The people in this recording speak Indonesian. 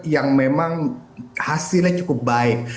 yang memang hasilnya cukup baik